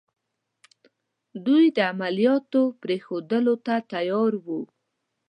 دوی د عملیاتو پرېښودلو ته تیار وو.